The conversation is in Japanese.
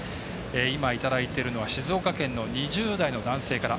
今いただいているのは静岡県の２０代の男性から。